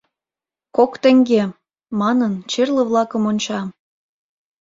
Кок теҥге! — манын, черле-влакым онча.